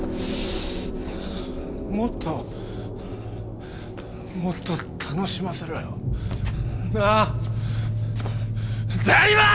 もっともっと楽しませろよ。なあ台場！！